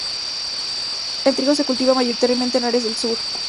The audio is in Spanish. El trigo se cultivaba mayoritariamente en áreas del sur.